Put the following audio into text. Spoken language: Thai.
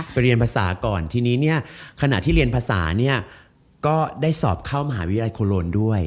เรียนภาษาก่อนทีนี้เนี่ยขณะที่เรียนภาษาเนี่ยก็ได้สอบเข้ามหาวิทยาลัยโคโลนด้วย